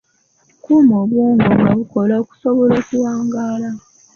Kuuma obwongo nga bukola okusobola okuwangaala.